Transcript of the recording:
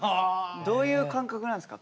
どういう感覚なんすか？